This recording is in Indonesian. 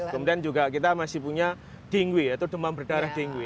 kemudian juga kita masih punya dengui yaitu demam berdarah dengue